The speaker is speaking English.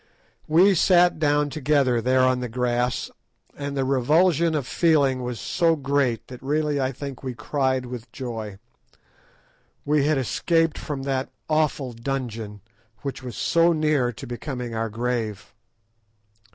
We sat down together, there on the grass, and the revulsion of feeling was so great that really I think we cried with joy. We had escaped from that awful dungeon, which was so near to becoming our grave.